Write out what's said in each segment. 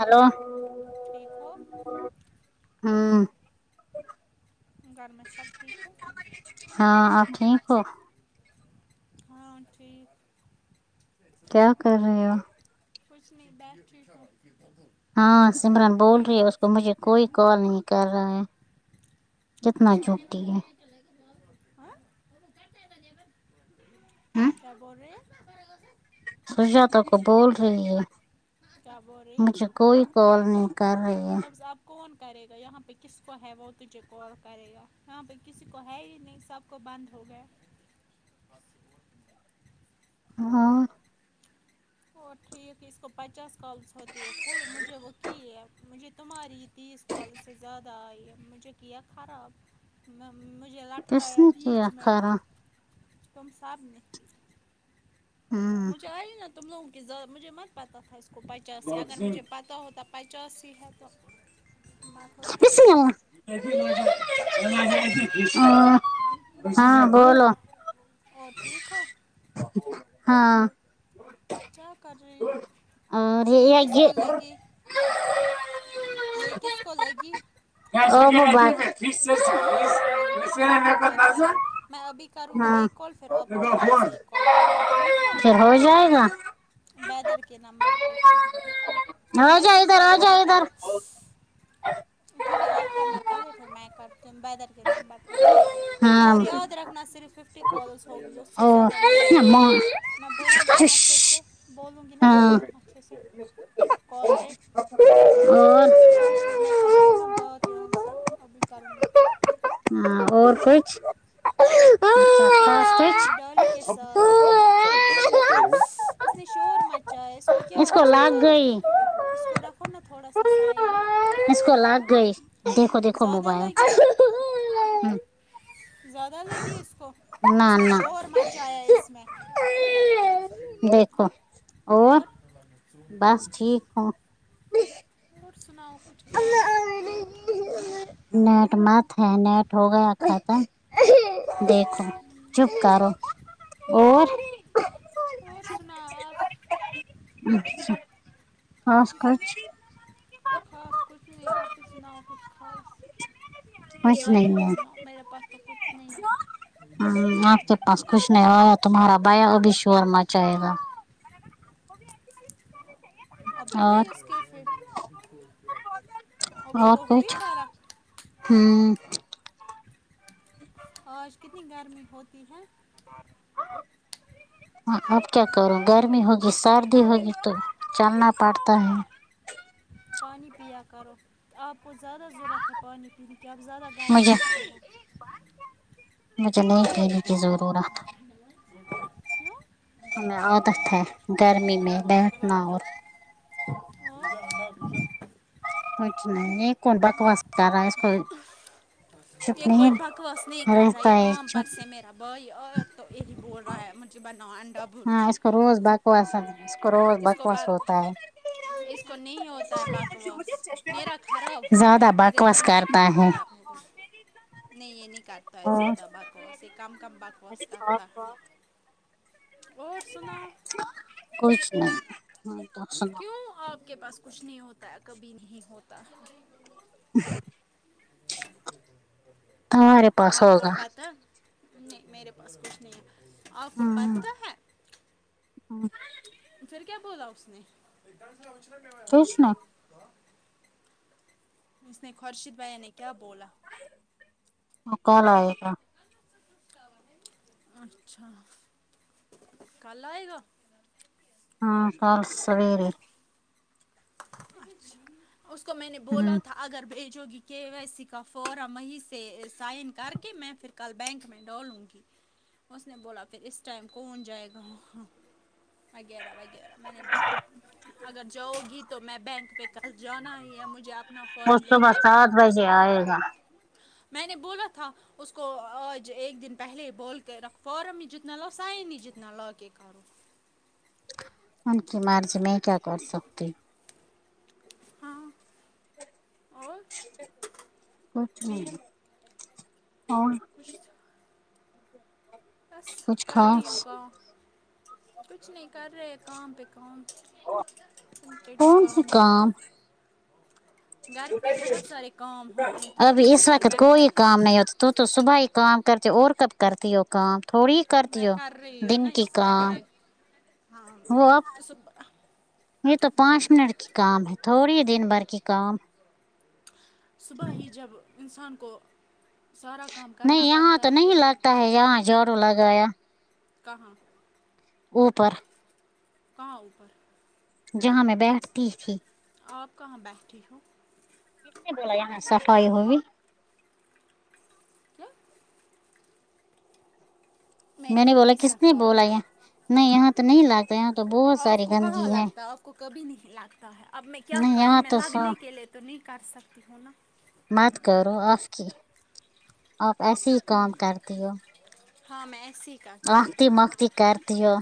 hello ٹیھک ہو ہاں گھر میں سب ٹھیک ہے ہاں آپ ٹھیک ہو ہاں ٹھیک کیا کر رہے ہو کچھ نہی بیٹھی ہو ہاں سمرن بول رہی ہے اس کو مجھے کوئی کال نہیں کر رہا ہے کتنا جھوٹی ہے [unintelligible] کیا بول رہی ہے سجات کو بول رہی ہے کیا بول رہی ہے مجھے کوئی کال نہیں کر رہی ہے مطلب آپ کون کرے گا یہاں پہ کس کو ہے وہ تجھے کال کرے گا یہاں پہ کسی کو ہے ہی نہیں سب کو بند ہو گئے ہاں وہ ٹھیک ہے اس کو پچاس کالس ہوتی ہے کل مجھے وہ کی ہے مجھے تمہاری تیس کال سے زیادہ آئی مجھے کیا خراب یہ کس لٹکایا نے کیا بیچ میں کھارا تم سا ہوں مجھے آئیے نا تم لوگوں ک زیادہ مجھے مت پتہ تھا اس کو پچاسی اگر مجھے پتہ ہوتا پچاسی ہے تو میں کرتا اسسا [unintelligible] ہ ہلو ہاں بولو اور ٹھیک ہو ہاں کیا کر رہی ہوں اور یہ آ یہ کس کو لگی [unintelligible] اب باتا کر لگی میں کال پہ بات کر رہی میں ابھی کروں گی ہاں ایک کال پھر آپ مجھے وہاں سے ایک کال کرنا ٹھیک ہے پھر ہو جائے گا بیدر کے نمبر پہ میں ہو جا میسیج ادھر ہو کروں جا گی ادھر تب ٹھیک ہے آپ کرنا پہلے پھر میں کرتی ہوں بیدر کے نمبر پہ ہاں اور یاد رکھنا صرف ففٹی کالز ہوگی ا سے ہاں زیادہ نہیں ہوگی میں بولوں گی نا اچھے سے بولوں گی نا میں تمہیں اچھے سے کال پہ اور اوکے میں کر رہی ہوں نا بات یہاں سے ابھی کرونگی ہ اور کچھ اور بس ٹھیک ڈالی کے کچھ ساتھ اس نے شورمچا اس اس کو کیا ہوا اس کو زیادہ ا اس کوو رکھو نا تھوڑا سا سائڈ میںہ اس کو لگ گئی دیکھو دیکھو زیادہ موبائل لگی زیادہ لگی اس کو نہ اس نے نہ شور مچایا اس میں دیکھو اور بس ٹھیک ہوں اور سناؤ کچھ خاص نیٹ مت ہے نیٹ ہو گیا ختم دیکھ چپ کرو اور اور سنا آپ اچھا خاص کچھ خاص کچھ نہیں آپ ہی سناؤ کچھ خاص کچھ میں کیا نہیں ہے سناؤ میرے پاس تو کچھ نہیں ہے ہ آپ کے پاس کچھ نہیں ہوا تمہارا بھیا اب شور مچاے گا اب ہوئی اور اس کی فر ابو کو ہوئی پاراک ہوں آج کتنی گرمی ہوتی ہے آ ہاں اب کیا کرو گرمی ہوگی سردی ہوگی تو چلنا پڑتا ہے پانی پیا کرو آپ کو زیادہ ضرورت ہے پانی پینے کی آپ زیادہ گرم مجھے رہتے ہو مجھے نہیں کہنیی کی ضرورت ہمیں عادت ہے گرمی میں بیٹھنا اور [inaudible] اور کچھ نہیں کونڈ بکواس کررہا اس کو [unintelligible] چپ یہ نہیں کوئی بکواس نہیں کر رہا رہتا یہ ہے کام چپ پرسے میر بھائی آیا تو یہی بول رہا ہے مجھے بناؤ انڈا ہاں بورجی اس کو ایسا اس کو روز بکواس بک ہوتا ہے اس کو نہیں ہوتا ہے بکواس میرا خراب ہو زیادہ گیا میرے بکواس دونوں کرتا اکاؤنٹ ہے خراب ہو گئے نہیں یہ نہیں کرتا ہے اور زیادہ بکواس یہ کم کم بکواس کچھ خاص کرتا ہے اور سناو بات کچھ نہیں کیوں آپ کے پاس کچھ نہیں ہوتا ہے کبھی نہیں ہوتا ہر [unintelligible] آپ کو پتہ نہیں میرے پاس کچھ نہیں ہے آپ کو پتہ ہے ہاں پھر کیا بولا اس نے کچھ نہیں اس نے خورشید بھیا نے کیا بولا وہ کل آئے گا اچھا کل آئے گا ہاں کال سویرے اچھا اس کو میں نے بولا ہوں تھا اگر بھیجو گی کے ویس سی کا فورم وہیں سے سائن کر کے میں پھر کل بینک میں ڈالوں گی اس نے بولا پھر اس ٹائم کون جائے گااں وغیرہ وغیرہ میں نے بولا اگر جاؤ گی تو میں بینک پہ کل جانا ہی ہے مجھے اپنا وہ فارم لے صبح کے سات بجے آئے گا میں نے بولا تھا اس کو آج ایک دن پہلے ہی بول کے رکھو فارم ہی جتنا لاؤ سائن ہی جتنا لا کے کرو ان کی مرض میں کیا کر سکتی ہاں اور کچھ نہیں اور کچھ بس کچھ کر رہی ہو خاص کام کچھ نہیں کر رہے کام پے کام انم کر نو کون سی کاام بھی کام گھر پہ بہت سارے کام ہوتے ہیں اب تھوڑی اس انسان وقت بہتر کوئی کام نہیں ہوتا تو تو صبح ہی کام کرتی اور کب کرتی ہو کام تھوڑی میں کرتی ہو کر رہی ہوں نا دن کی اس ٹائم کام اے ہاں وہ اب صبح یہ تو پانچ منٹ کی کام ہے تھوڑی دن بھر کی کام صبح ہی جب انسان کو سارا کام کرنا نہیں یہاں پڑتا تو ہے نہیں پھر لگتا ہے یہاں جھاڑو لگایا کہاں اوپر کہاں اوپر جہاں میں بیٹھتی تھی آپ کہاں بیٹھتی ہو یہاں صفائی ہو [unintelligible] میں نے بولا کس نے بولا یہ نہیں یہاں تو نہیں لاتا یہاں تو بہت آپ ساری کو کہاں گندگی لگتا ہے آپ کو کبھی نہیں لگتا ہے اب میں کیا نہیں کروں یہاں میں تو سو لگنے کے لیے تو نہیں کر سکتی ہوں نا مت کرو آپ کی آپ ایسے ہی کام کرتی ہو ہاں میں ایسی آختی ماختی کرتی ہو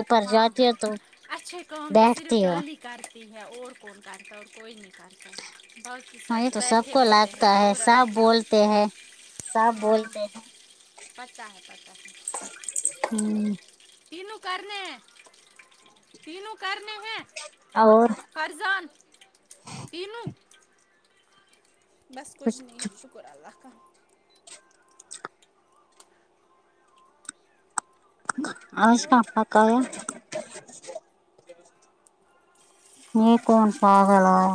اوپر ہاں جاتی ہاں ہو تو اچھے کام تو صرف بیٹھتی ہو ڈالی کرتی ہے اور کون کرتا ہے اور کوئی نہیں کرتا باقی ہاں سب یہ تو بیٹھے کو ہوتے ہیں لگتا ہے پورا دن سب بولتے ہیں سب ہاں بولتے ہیں پتا ہے پتا ہے ہو‌ں تینوں کرنے ہے تینوں کرنے ہیں اور فرضان تینوں بس کچھ نہیں شکر اللہ کا آج کا اور پکایا یہ کون پاگل ہے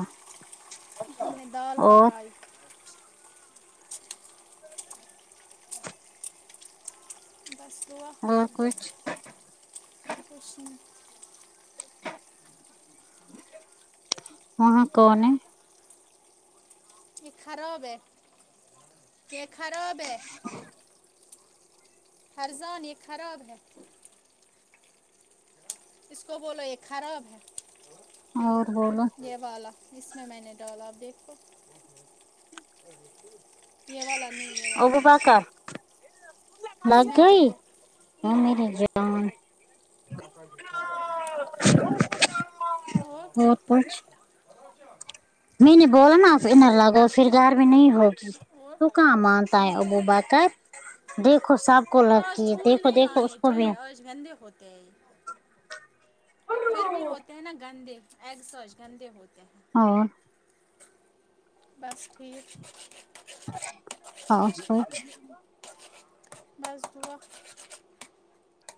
ہم نے دال پکائی بس ہوا اور کچھ کچھ نہیں وہاں کون ہے یہ خراب ہے یہ خراب ہے فرزان یہ خراب ہے اس کو بولو یہ خراب ہے اور بولو یہ والا اس میں میں نے ڈالا آپ دیکھو یہ والا نہیں یہ ابو والا بکر اس میں جو ہے ہاں میری جان اور کچھ میں نے بولا نا آپ فر نیں لگو پھر گھر میں نہیں ہوگی اور تو کہاں مانتا ہے اب وہ مچک پتہ ہے دیکھو سب کو آج لگی ہے چھول دیکھو نہیں دیکھو اس لانے کو بھی چاہیے آج گندے ہوتے ہیں یہ پھر بھی ہوتے ہیں نا گندے ایگ سوز گندے ہوتے ہیں اور بس ٹھیک [unintelligible] [unintelligible]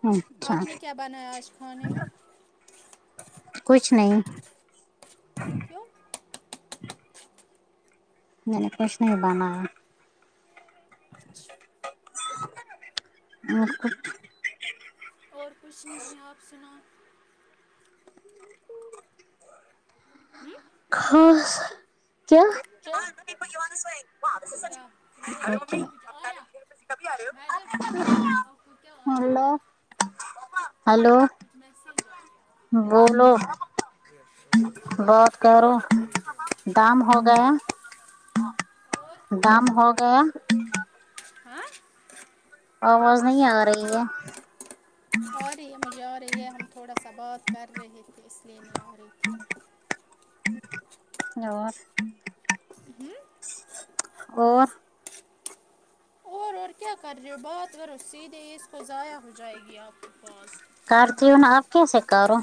اچھا آپ نے کیا بنایا آج کھانے میں کچھ نہیں کیوں میں نہ کچھ نہیں بنایا [unintelligible] اچھا اور کچھ نہیں آپ سناؤ خاص کیا کیا [unintelligible] [unintelligible] ہیلو کچھ میسج ایا بولو بات کرو گام ہو گیا اور کام ہو گیا ہاں آ واز نہیں آ رہی ہے ارہی ہے مجھے آرہی ہے ہم تھوڑا سا بات کر رہے تھے اس لیے نہیں آ رہی تھی اور ھممم اور اور اور کیا کر رہے ہو بات کرو سیدھے اس کو ضائع ہو جائے گی آپ کے پاس کرتی ہوں نا اب کیسے کرو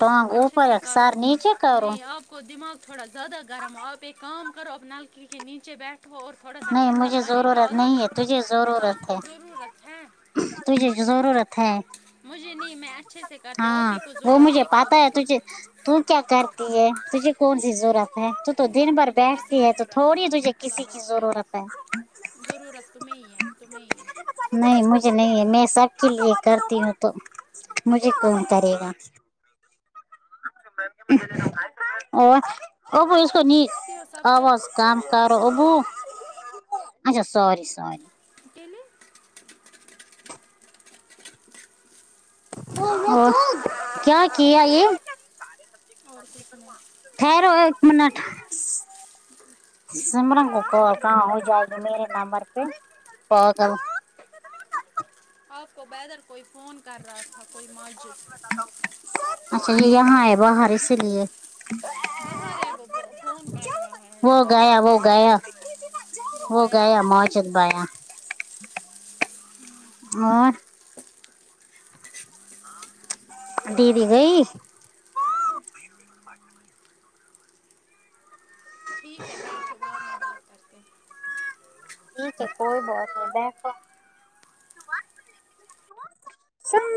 ٹانگ اوپر سر نیچے کرو اور دماغ تھوڑا زیادہ گرم ہو اور پھر ایک کام کرو آپ نال کے نیچے بیٹھو اور تھوڑا سا نہیں ٹھنڈا مجھے پانی ضرورت ڈالو نہیں ہے تجھے آپ ضرورت کو ہے ضرورت ہے تجھے جو ضرورت ہے مجھے نہیں میں اچھے سے کرتے آپ ہاں ہی کو ضرور وہ آپ مجھے ہی کا پتا ہے تجھے تو کیا کرتی ہے تجھے کون سی ضرورت ہے تو دن بھر بیٹھتی ہے تو تھوڑی تجھے کسی کی چاہے ضرورت ہے ضرورت تمہیں ہی ہیں تمہیں ہی ہیں نہیں مجھے نہیں ہے میں سب کے لیے کرتی ہوں تو مجھے کون کرے گا اب اسکو نہیں ہو سب کے آواز کام کرو ابو اچھا سوری سوری اکیلے ہوں اور کیا کیا یہ اور کچھ نہیں ٹھیرو ایک منٹ سمرن کو ٹھیک ہے کو کہاں بولو ہو جائے میرا نمر پے پاگل آپ کو بروتھر کوئی فون کر رہا تھا کوئی ماجد اچھا جی یہاں ہے باہر اس لیے باہر ہے وہ فون کر رہا ہے وہ بول رہا ہے گیا وہ باہر گیا ہو وہ گیا آپ کچھ ایا اور دیدی گئی ٹھیک ہے بیٹھو بعد میں بات کرتے ہیں پھر کیا کوئی [unintelligible]